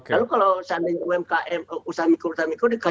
lalu kalau usaha mikro dan ultra mikro dikasih nomor satu miliar